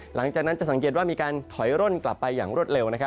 หลังจากนั้นจะสังเกตว่ามีการถอยร่นกลับไปอย่างรวดเร็ว